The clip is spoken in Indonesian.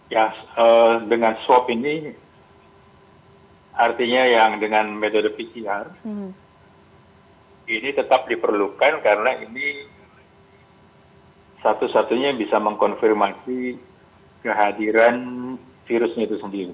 ya dengan swab ini artinya yang dengan metode pcr ini tetap diperlukan karena ini satu satunya yang bisa mengkonfirmasi kehadiran virusnya itu sendiri